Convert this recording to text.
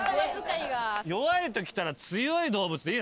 弱いときたら強い動物でいい。